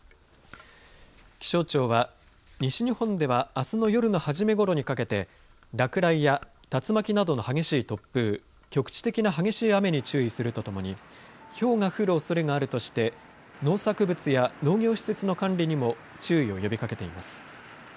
気象庁は西日本ではあすの夜の初めごろにかけて落雷や竜巻などの激しい突風局地的な激しい雨に注意するとともにひょうが降るおそれがあるとして農作物や農業施設の管理にも注意を呼びかけています。